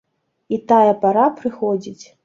І тая пара прыходзіць.